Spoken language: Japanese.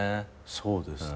そうですね